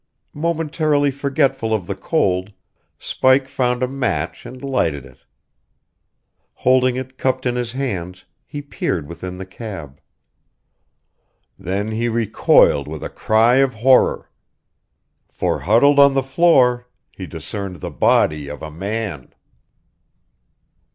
Momentarily forgetful of the cold, Spike found a match and lighted it. Holding it cupped in his hands, he peered within the cab. Then he recoiled with a cry of horror. For, huddled on the floor, he discerned the body of a man!